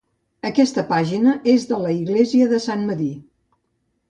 Aquesta pàgina és la de Iglesia de Sant Medir.